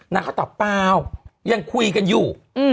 นางก็ตอบเปล่ายังคุยกันอยู่